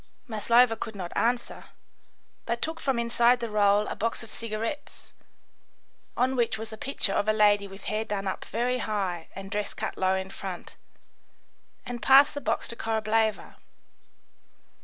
Maslova could not answer, but took from inside the roll a box of cigarettes, on which was a picture of a lady with hair done up very high and dress cut low in front, and passed the box to Korableva.